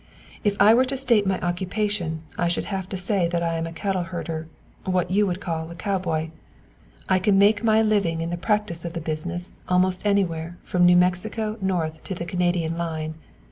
If I were asked to state my occupation I should have to say that I am a cattle herder what you call a cowboy. I can make my living in the practice of the business almost anywhere from New Mexico north to the Canadian line.